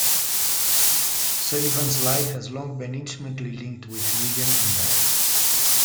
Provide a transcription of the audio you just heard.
Sullivan's life has long been intimately linked with William and Mary.